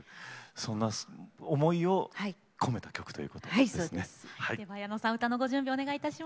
そんな思いを込めた曲っていうことですね。